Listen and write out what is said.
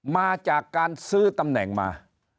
มาจากการซื้อตำแหน่งมา